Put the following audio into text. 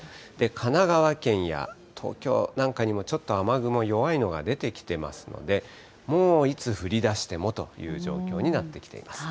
神奈川県や東京なんかにもちょっと雨雲、弱いのが出てきてますので、もういつ降りだしてもという状況になってきています。